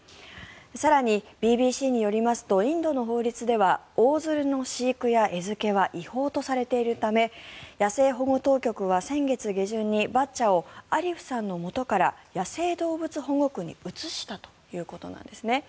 更に、ＢＢＣによりますとインドの法律ではオオヅルの飼育や餌付けは違法とされているため野生保護当局は先月下旬にバッチャをアリフさんのもとから野生動物保護区に移したということなんですね。